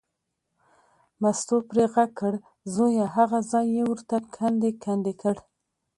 مستو پرې غږ کړ، زویه هغه ځای یې ورته کندې کندې کړ.